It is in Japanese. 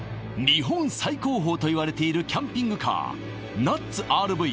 日本最高峰といわれているキャンピングカー